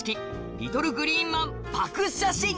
リトルグリーンまんパク写真